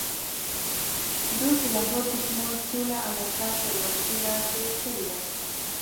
دوی د لاهور په شمول ټوله علاقه تر ولکې لاندې کړې وه.